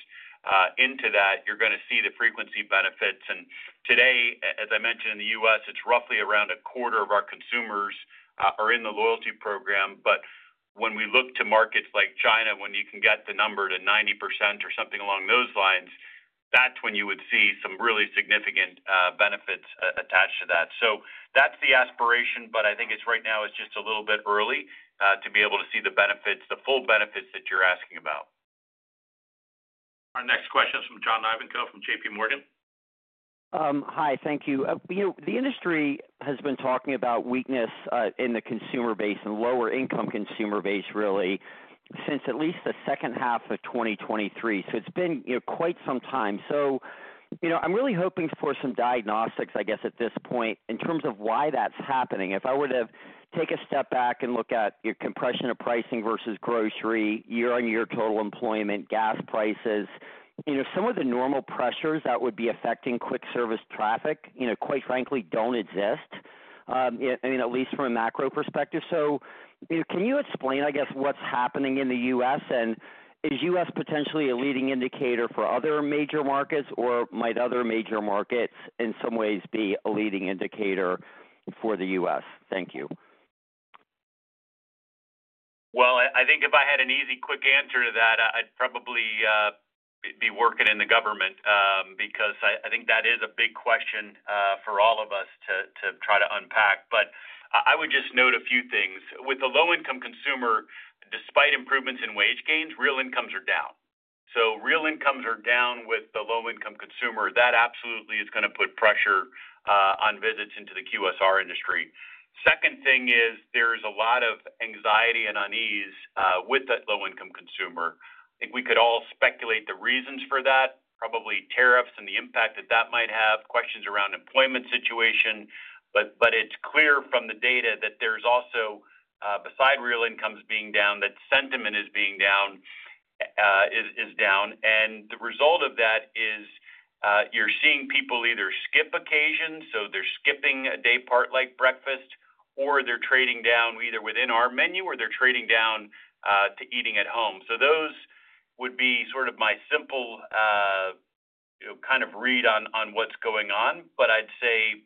into that, you're going to see the frequency benefits. Today, as I mentioned, in the U.S., it's roughly around a quarter of our consumers are in the loyalty program. When we look to markets like China, when you can get the number to 90% or something along those lines, that's when you would see some really significant benefits attached to that. That's the aspiration. I think right now it's just a little bit early to be able to see the benefits, the full benefits that you're asking about. Our next question is from John Ivankoe from JPMorgan. Hi, thank you. The industry has been talking about weakness in the consumer base and lower income consumer base really since at least the second half of 2023. It's been quite some time. I'm really hoping for some diagnostics at this point in terms of why that's happening. If I were to take a step back and look at your compression of pricing versus grocery year on year, total employment, gas prices, some of the normal pressures that would be affecting quick service traffic quite frankly don't exist, at least from a macro perspective. Can you explain what's happening in the U.S. and is the U.S. potentially a leading indicator for other major markets or might other major markets in some ways be a leading indicator for the U.S.? Thank you. I think if I had an easy quick answer to that, I'd probably be working in the government because I think that is a big question for all of us to try to unpack. I would just note a few things. With the low income consumer, despite improvements in wage gains, real incomes are down. Real incomes are down. With the low income consumer, that absolutely is going to put pressure on visits into the QSR industry. The second thing is there's a lot of anxiety and unease with that low income consumer. We could all speculate the reasons for that, probably tariffs and the impact that that might have, questions around employment situation. It's clear from the data that there's also, besides real incomes being down, that sentiment is down. The result of that is you're seeing people either skip occasions, so they're skipping a day part like breakfast, or they're trading down either within our menu or they're trading down to eating at home. Those would be sort of my simple kind of read on what's going on. I'd say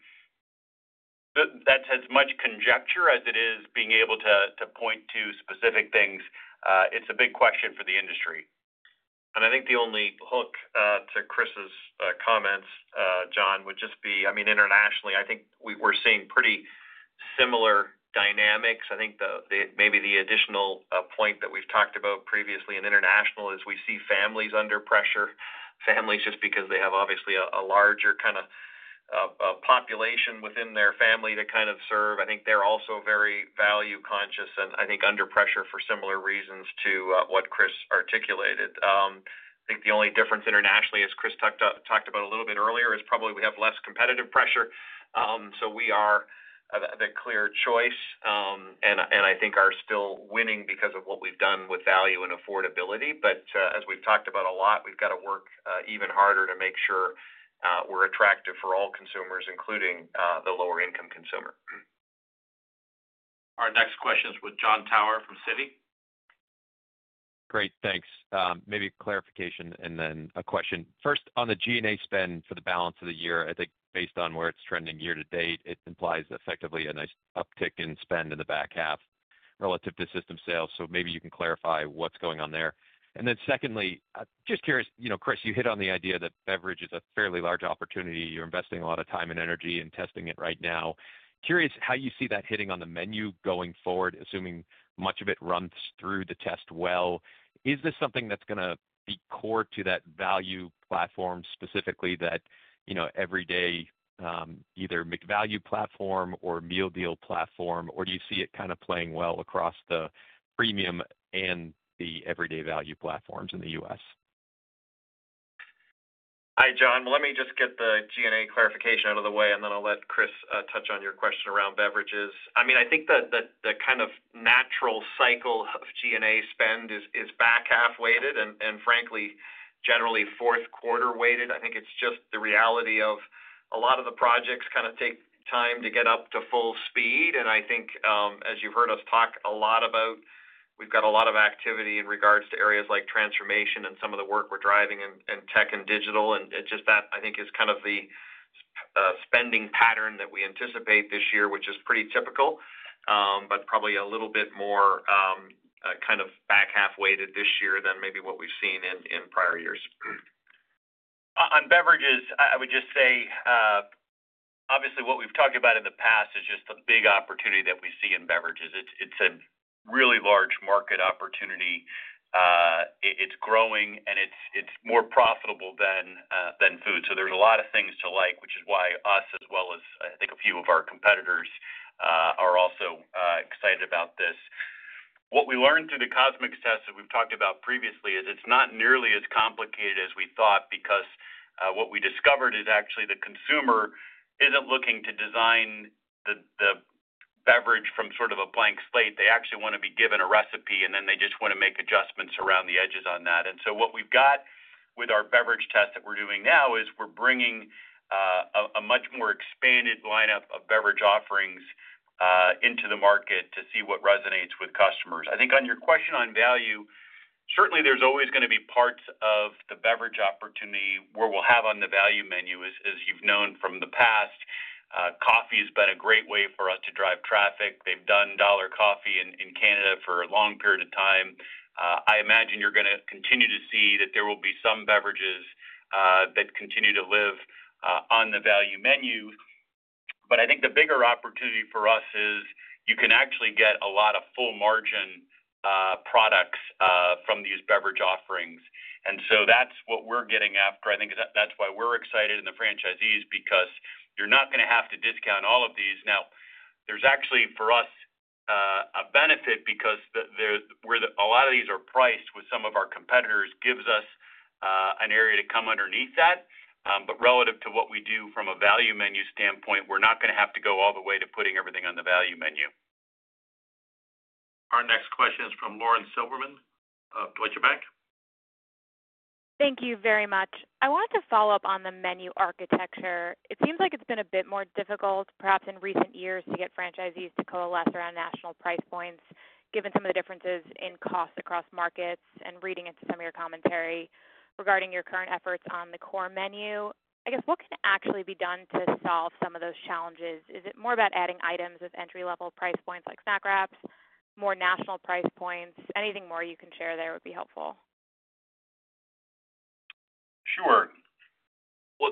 that's as much conjecture as it is being able to point to specific things. It's a big question for the industry. I think the only hook to Chris's comments, John, would just be, I mean internationally I think we're seeing pretty similar dynamics. I think maybe the additional point that we've talked about previously in international is we see families under pressure, families just because they have obviously a larger kind of population within their family to kind of serve. I think they're also very value conscious and I think under pressure for similar reasons to what Chris articulated. I think the only difference internationally, as Chris talked about a little bit earlier, is probably we have less competitive pressure. We are the clear choice and I think are still winning because of what we've done with value and affordability. As we've talked about a lot, we've got to work even harder to make sure we're attractive for all consumers, including the lower income consumer. Our next question is with Jon Tower from Citi. Great, thanks. Maybe clarification and then a question first on the G&A spend for the balance of the year. I think based on where it's trending. Year to date, it implies effectively a. Nice uptick in spend in the back half relative to system sales. Maybe you can clarify what's going on there. Secondly, just curious, Chris, you hit on the idea that beverage is. A fairly large opportunity. You're investing a lot of time. Energy in testing it right now. Curious how you see that hitting on. The menu going forward, assuming much of it runs through the test, is this something that's going to be core to that value platform, specifically? That everyday either McValue platform or Meal. Deal platform, or do you see it kind of playing well across the premium? The everyday value platforms in the U.S. Hi John, let me just get the G&A clarification out of the way and then I'll let Chris touch on your question around beverages. I think that the kind of natural cycle of G&A spend is back half weighted and, frankly, generally fourth quarter weighted. I think it's just the reality of a lot of the projects take time to get up to full speed. I think, as you've heard us talk a lot about, we've got a lot of activity in regards to areas like transformation and some of the work we're driving in tech and digital. That is the spending pattern that we anticipate this year, which is pretty typical, but probably a little bit more back half weighted this year than maybe what we've seen in prior years on beverages. I would just say obviously what we've talked about in the past is just the big opportunity that we see in beverages. It's a really large market opportunity, it's growing, and it's more profitable than food. There are a lot of things to like, which is why us as well as I think a few of our competitors are also excited about this. What we learned through the CosMc's test that we've talked about previously is it's not nearly as complicated as we thought because what we discovered is actually the consumer isn't looking to design the beverage from sort of a blank slate. They actually want to be given a recipe, and then they just want to make adjustments around the edges on that. What we've got with our beverage test that we're doing now is we're bringing a much more expanded lineup of beverage offerings into the market to see what resonates with customers. I think on your question on value. Certainly, there's always going to be parts. Of the beverage opportunity where we'll have on the value menu, as you've known from the past, coffee has been a great way for us to drive traffic. They've done $1 Coffee in Canada for a long period of time. I imagine you're going to continue to see that there will be some beverages that continue to live on the value menu. I think the bigger opportunity for us is you can actually get a lot of full margin products from these beverage offerings. That's what we're getting after. I think that's why we're excited in the franchisees, because you're not going to have to discount all of these. Now there's actually for us a benefit because a lot of these are priced with some of our competitors. It gives us an area to come underneath that. Relative to what we do from a value menu standpoint, we're not going to have to go all the way to putting everything on the value menu. Our next question is from Lauren Silberman of Deutsche Bank. Thank you very much. I want to follow up on the menu architecture. It seems like it's been a bit more difficult perhaps in recent years to get franchisees to coalesce around national price points. Given some of the differences in costs across markets and reading into some of your commentary regarding your current efforts on the core menu, I guess what can actually be done to solve some of those challenges? Is it more about adding items with entry level price points, like Snack Wraps, more national price points? Anything more you can share there would be helpful. Sure.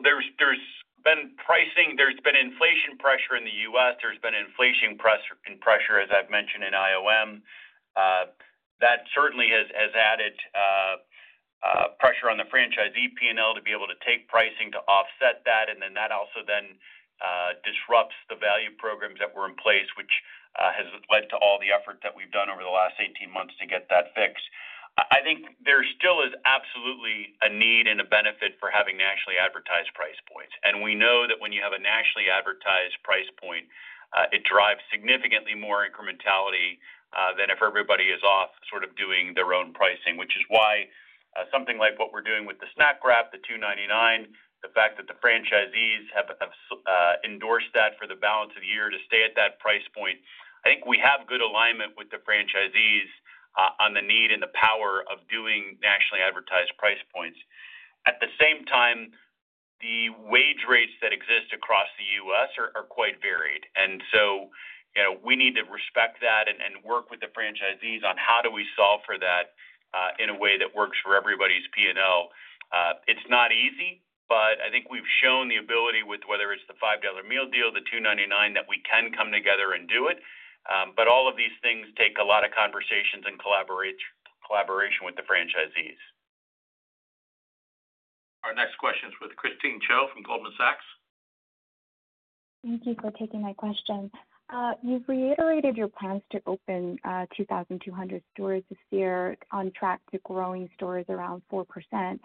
There has been pricing, there has been inflation pressure in the U.S., there has been inflation pressure, as I've mentioned, in IOM. That certainly has added pressure on the franchisee P&L to be able to take pricing to offset that. That also then disrupts the value programs that were in place, which has led to all the effort that we've done over the last 18 months to get that fixed. I think there still is absolutely a need and a benefit for having nationally advertised price points. We know that when you have a nationally advertised price point, it drives significantly more incrementality than if everybody is off sort of doing their own pricing. Which is why something like what we're doing with the Snack Wraps, the $2.99, the fact that the franchisees have endorsed that for the balance of the year to stay at that price point, I think we have good alignment with the franchisees on the need and the power of doing nationally advertised price points. At the same time, the wage rates that exist across the U.S. are quite varied, and so we need to respect that and work with the franchisees on how do we solve for that in a way that works for everybody's P&L. It's not easy, but I think we've shown the ability with whether it's the $5 Meal Deal, the $2.99, that we can come together and do it. All of these things take a lot of conversations and collaboration with the franchisees. Our next question is with Christine Cho from Goldman Sachs. Thank you for taking that question. You've reiterated your plans to open 2,200 stores this year on track to growing stores, around 4%.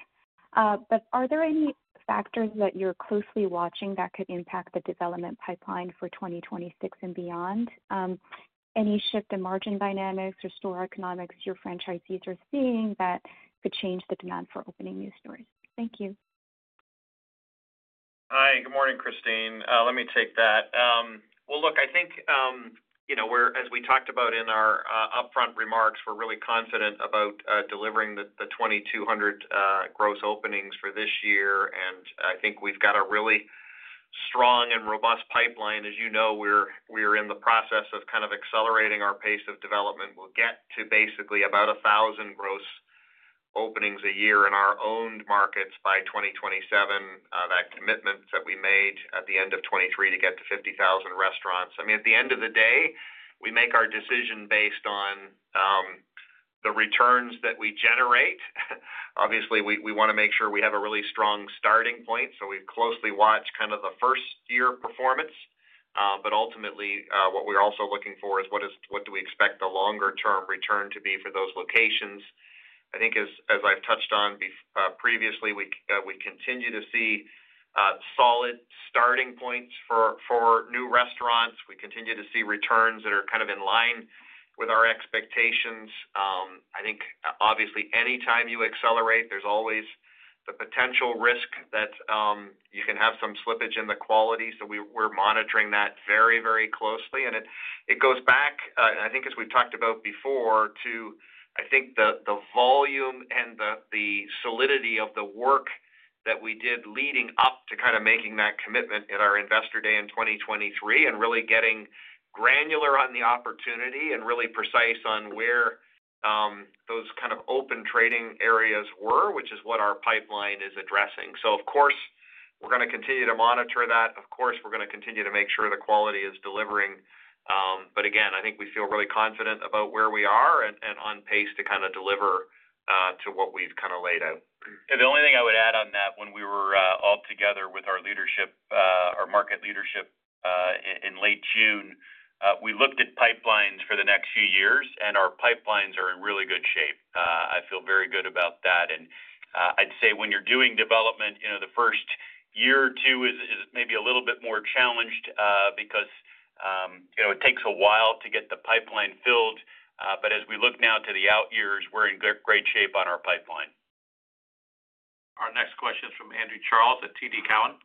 Are there any factors that you're closely watching that could impact the development pipeline for 2026 and beyond? Any shift in margin dynamics or store economics your franchisees are seeing that could change the demand for opening new stores? Thank you. Hi, good morning, Christine. Let me take that. I think, as we talked about in our upfront remarks, we're really confident about delivering the 2,200 gross openings for this year. I think we've got a really strong and robust pipeline. As you know, we are in the process of kind of accelerating our pace of development. We'll get to basically about 1,000 gross openings a year in our owned markets by 2027. That commitment that we made at the end of 2023 to get to 50,000 restaurants, I mean, at the end of the day, we make our decision based on the returns that we generate. Obviously, we want to make sure we have a really strong starting point. We closely watch kind of the first year performance. Ultimately, what we're also looking for is what do we expect the longer term return to be for those locations. I think, as I've touched on previously, we continue to see solid starting points for new restaurants. We continue to see returns that are kind of in line with our expectations. I think obviously, anytime you accelerate, there's always the potential risk that you can have some slippage in the quality. We're monitoring that very, very closely. It goes back, I think, as we've talked about before, to the volume and the solidity of the work that we did leading up to making that commitment at our Investor Day in 2023 and really getting granular on the opportunity and really precise on where those kind of open trading areas were, which is what our pipeline is addressing. Of course we're going to continue to monitor that. Of course we're going to continue to make sure the quality is delivering. Again, I think we feel really confident about where we are and on pace to kind of deliver to what we've kind of laid out. The only thing I would add on that, when we were all together with our leadership, our market leadership in late June, we looked at pipelines for the next few years, and our pipelines are in really good shape. I feel very good about that. I'd say when you're doing development, the first year or two is maybe a little bit more challenged because it takes a while to get the pipeline filled. As we look now to the out years, we're in great shape on our pipeline. Our next question is from Andrew Charles at TD Cowen.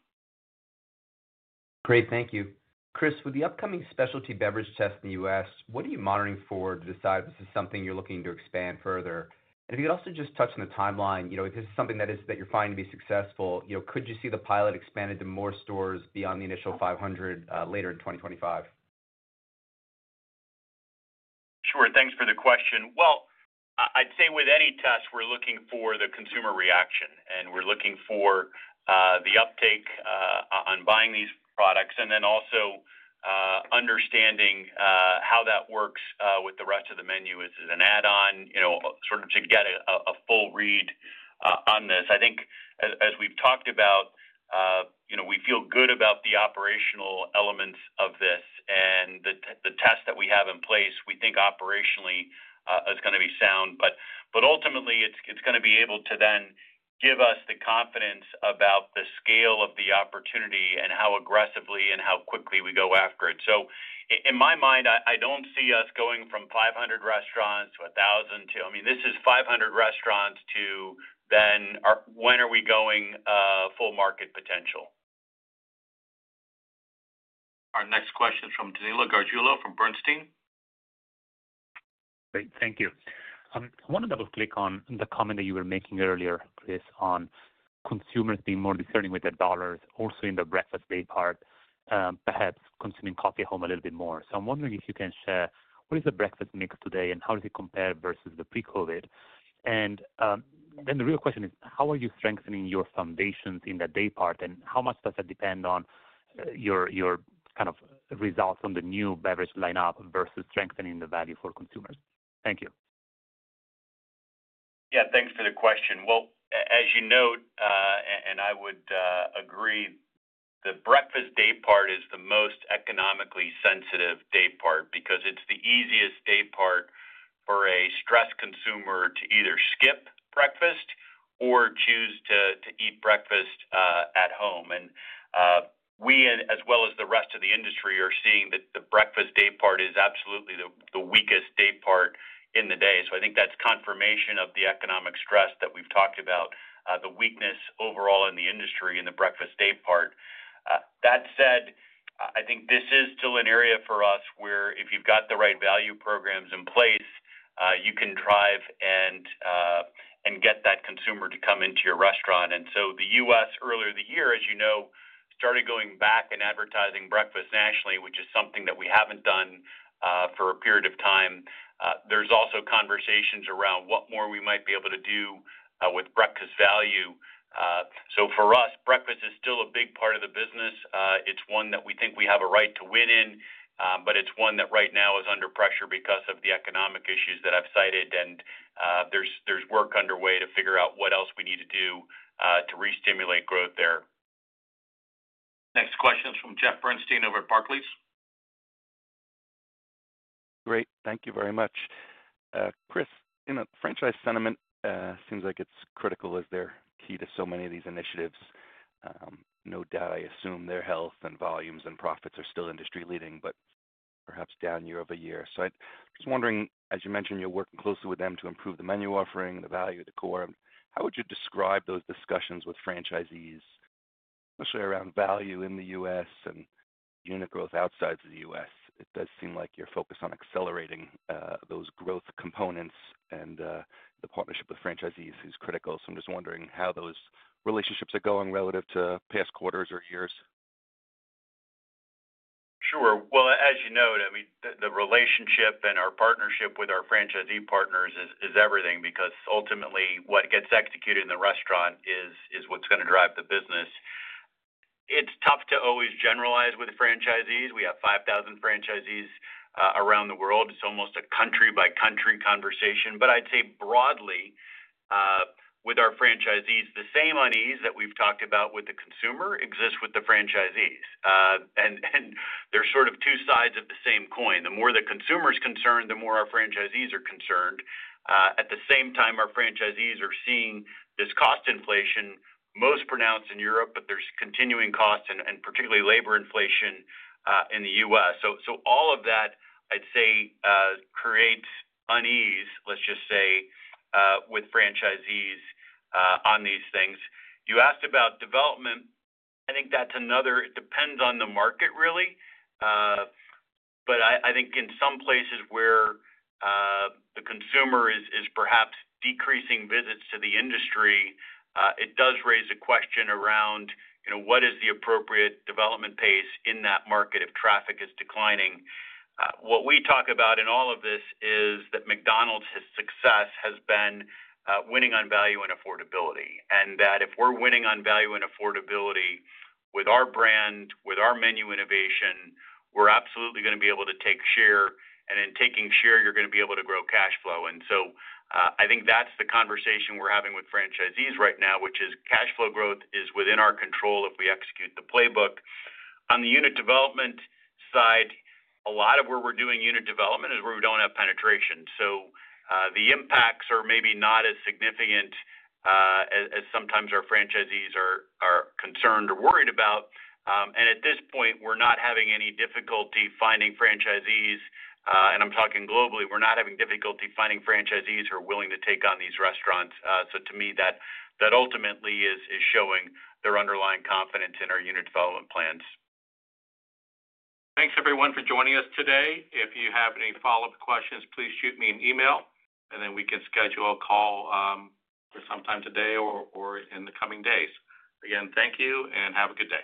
Great, thank you. Chris. With the upcoming specialty beverage test in the U.S., what are you monitoring for to decide if this is something you're looking to expand further? If you could also just touch on the timeline, if this is something that you're finding to be successful, could you see the pilot expanded to more stores beyond the initial 500 later in 2025? Sure. Thanks for the question. I'd say with any test, we're looking for the consumer reaction and we're looking for the uptake on buying these products and then also understanding how that works with the rest of the menu as an add on to get a full on this. I think as we've talked about, you know, we feel good about the operational elements of this and the test that we have in place, we think operationally is going to be sound, but ultimately it's going to be able to then give us the confidence about the scale of the opportunity and how aggressively and how quickly we go after it. In my mind, I don't see us going from 500 restaurants to 1,000 restaurants to, I mean, this is 500 restaurants to. When are we going? Full market potential. Our next question from Danilo Gargiulo from Bernstein. Great, thank you. I want to double click on the. Comment that you were making earlier, Chris. On consumers being more discerning with their dollars, also in the Breakfast day part perhaps consuming coffee at home a little bit more. I'm wondering if you can share. What is the breakfast mix today? How does it compare versus the pre-COVID? The real question is how. Are you strengthening your foundations in that? Day part and how much does that. Depend on your kind of results. The new beverage lineup versus strengthening the value for consumers? Thank you. Thank you for the question. As you note, and I would agree, the breakfast day part is the most economically sensitive day part because it's the easiest day part for a stressed consumer to either skip breakfast or choose to eat breakfast at home. We, as well as the rest of the industry, are seeing that the breakfast day part is absolutely the weakest day part in the day. I think that's confirmation of the economic stress that we've talked about, the weakness overall in the industry in the breakfast day part. That said, I think this is still an area for us where if you've got the right value programs in place, you can drive and get that consumer to come into your restaurant. The U.S. earlier this year, as you know, started going back and advertising breakfast nationally, which is something that we haven't done for a period of time. There are also conversations around what more we might be able to do with breakfast value. For us, breakfast is still a big part of the business. It's one that we think we have a right to win in. It's one that right now is under pressure because of the economic issues that I've cited. There is work underway to figure out what else we need to do to re-stimulate growth there. Next question is from Jeff Bernstein over at Barclays. Great. Thank you very much, Chris. Franchise sentiment seems like it's critical as they're key to so many of these initiatives, no doubt. I assume their health and volumes and profits are still industry leading, but perhaps down year over year. I was wondering, as you mentioned, you're working closely with them to improve the menu offering the value of the core. How would you describe those discussions with franchisees, especially around value in the U.S. and unit growth outside of the U.S.? It does seem like you're focused on accelerating those growth components. The partnership with franchisees is critical. I'm just wondering how those relationships are going relative to past quarters or years. Sure. As you know, the relationship and our partnership with our franchisee partners is everything because ultimately what gets executed in the restaurant is what's going to drive the business. It's tough to always generalize with franchisees. We have 5,000 franchisees around the world. It's almost a country by country conversation. I'd say broadly with our franchisees, the same unease that we've talked about with the consumer exists with the franchisees, and there's sort of two sides of the same coin. The more the consumer is concerned, the. More our franchisees are concerned. At the same time, our franchisees are seeing this cost inflation most pronounced in Europe, but there's continuing costs and particularly labor inflation in the U.S. All of that I'd say creates unease, let's just say with franchisees on these things. You asked about development. I think that's another. It depends on the market really, but I think in some places where the consumer is perhaps decreasing visits to the industry, it does raise a question around, you know, what is the appropriate development pace in that market if traffic is declining. What we talk about in all of this is that McDonald's success has been winning on value and affordability and that if we're winning on value and affordability with our brand, with our menu innovation, we're absolutely going to be able to take share. In taking share, you're going to be able to grow cash flow. I think that's the conversation we're having with franchisees right now, which is cash flow growth is within our control. If we execute the playbook on the unit development side, a lot of where we're doing unit development is where we don't have penetration. The impacts are maybe not as significant as sometimes our franchisees are concerned or worried about. At this point we're not having any difficulty finding franchisees and I'm talking globally, we're not having difficulty finding franchisees who are willing to take on these restaurants. To me that ultimately is showing their underlying confidence in our unit development plans. Thanks, everyone, for joining us today. If you have any follow-up questions, please shoot me an email, and then we can schedule a call for some time. Today or in the coming days. Again, thank you and have a good day.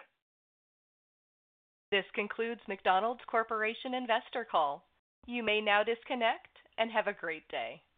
This concludes McDonald's Corporation investor call. You may now disconnect and have a great day.